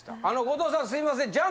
あの後藤さんすいません。